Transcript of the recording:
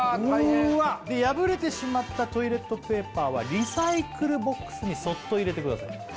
大変で破れてしまったトイレットペーパーはリサイクルボックスにそっと入れてください